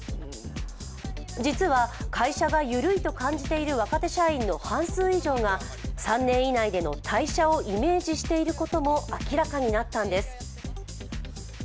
実は会社がゆるいと感じている若手社員の半数以上が３年以内での退社をイメージしていることも明らかになったんです。